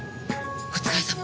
お疲れさま。